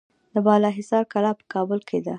د بالاحصار کلا په کابل کې ده